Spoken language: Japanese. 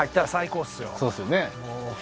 そうですよね